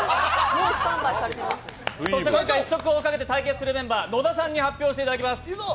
そして今回、試食をかけて対決するメンバー野田さんに発表していただきます。